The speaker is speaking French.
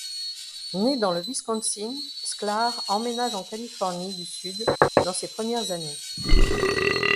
Né dans le Wisconsin, Sklar emménage en Californie du Sud dans ses premières années.